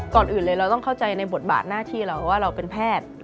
ก่อนอื่นเลยเราต้องเข้าใจในบทบาทหน้าที่เราว่าเราเป็นแพทย์